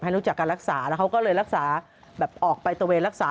รู้จักการรักษาแล้วเขาก็เลยรักษาแบบออกไปตะเวนรักษา